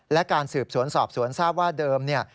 และการสืบสวนสอบสวนทราบว่าเดิมเนี่ย